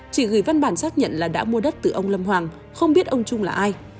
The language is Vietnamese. chỉ gửi văn bản xác nhận là đã mua đất từ ông lâm hoàng không biết ông trung là ai